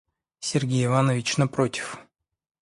Сергей Иванович напротив.